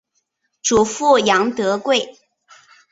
祖父杨德贵。